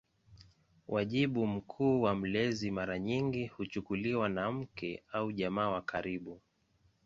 Wajibu mkuu wa mlezi mara nyingi kuchukuliwa na mke au jamaa wa karibu.